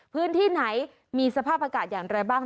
พื้นที่ไหนมีสภาพอากาศอย่างไรบ้าง